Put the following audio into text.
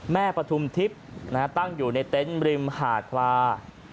แม่ปทุมทิพย์ตั้งอยู่ในเต็มท์ริมหาดครา